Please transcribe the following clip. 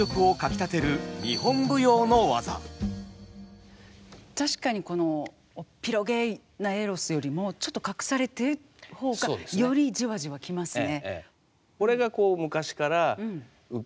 これが確かにおっぴろげなエロスよりもちょっと隠されている方がよりじわじわ来ますね。